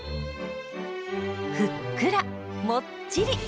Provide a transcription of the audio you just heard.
ふっくらもっちり！